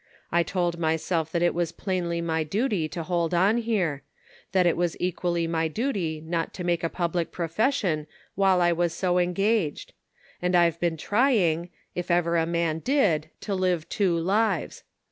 I told myself that it was plainly my duty to hold on here ; and that it was equally my duty not to make a public profession while I was so engaged ; and I've been trying, if ever a man did, to live two lives.